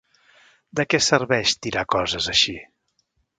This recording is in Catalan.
De què serveix tirar coses així?